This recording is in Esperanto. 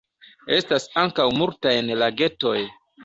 Estas ankaŭ multajn lagetoj.